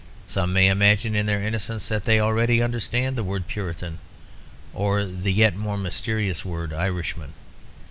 Some may imagine in their innocence that they already understand the word Puritan or the yet more mysterious word Irishman.